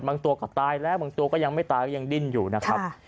ตัวก็ตายแล้วบางตัวก็ยังไม่ตายก็ยังดิ้นอยู่นะครับ